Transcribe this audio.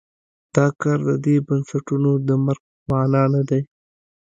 دا کار د دې بنسټونو د مرګ په معنا نه دی.